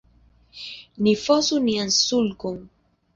Ni fosu nian sulkon.